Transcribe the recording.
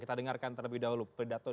kita dengarkan terlebih dahulu